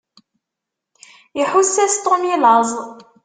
Iḥuss-as Tom i laẓ.